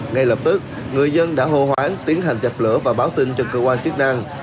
ngay lập tức người dân đã hô hoáng tiến hành chập lửa và báo tin cho cơ quan chức năng